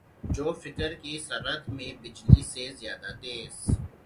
جو فکر کی سرعت میں بجلی سے زیادہ تیز